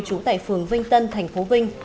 chú tại phường vinh tân tp vinh